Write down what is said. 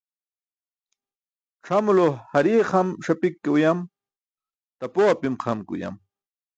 C̣ʰamulo hariye xam ṣapik ke uyam, tapoo apim xam ke uyam.